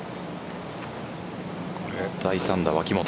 第３打、脇元。